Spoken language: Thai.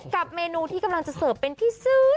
กับเมนูที่กำลังจะเสิร์ฟเป็นที่สุด